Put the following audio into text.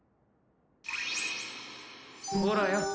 ほらよ。